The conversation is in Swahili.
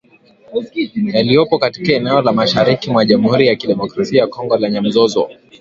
Yaliyopo katika eneo la mashariki mwa Jamuhuri ya Kidemokrasia ya Kongo lenye mzozo